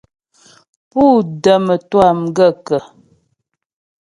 Pú də mətwâ m gaə́kə̀ ?